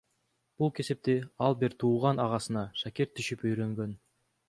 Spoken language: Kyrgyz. Бул кесипти ал бир тууган агасына шакирт түшүп үйрөнгөн.